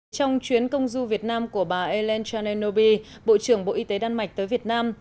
trong chuyến công du việt nam của bà elen tranaby bộ trưởng bộ y tế đan mạch tới việt nam